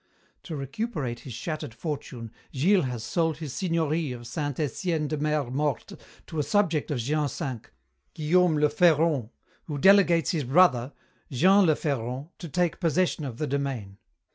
"To recuperate his shattered fortune, Gilles has sold his signorie of Saint Etienne de Mer Morte to a subject of Jean V, Guillaume le Ferron, who delegates his brother, Jean le Ferron, to take possession of the domain.